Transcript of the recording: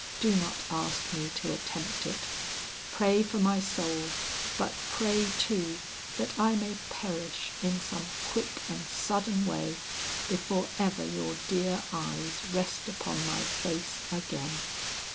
Do not ask me to attempt it! Pray for my soul, but pray too, that I may perish in some quick and sudden way before ever your dear eyes rest upon my face again.